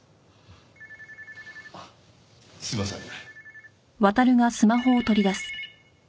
あっすいません。